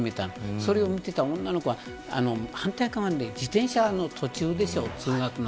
それを見ていた女の子は反対側で、自転車の途中でしょう通学の。